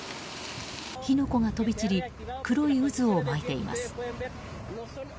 火の粉が飛び散り黒い渦を巻いています。